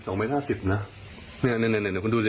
สองเมตรห้าสิบน่ะเนี้ยเนี้ยเนี้ยเนี้ยเดี๋ยวคุณดูดิ